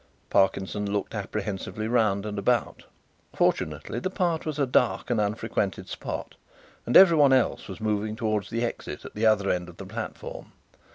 Parkinson looked apprehensively round and about. Fortunately the part was a dark and unfrequented spot and everyone else was moving towards the exit at the other end of the platform.